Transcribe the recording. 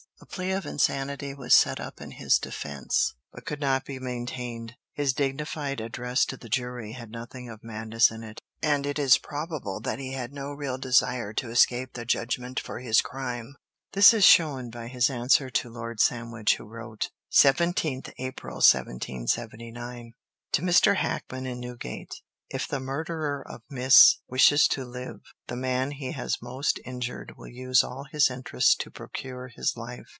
A plea of insanity was set up in his defence, but could not be maintained. His dignified address to the jury had nothing of madness in it, and it is probable that he had no real desire to escape the just punishment for his crime. This is shown by his answer to Lord Sandwich, who wrote: 17th April, 1779. "TO MR. HACKMAN IN NEWGATE "If the murderer of Miss —— wishes to live, the man he has most injured will use all his interest to procure his life."